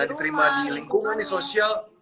diterima di lingkungan di sosial